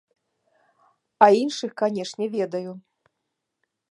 А іншых, канешне, ведаю.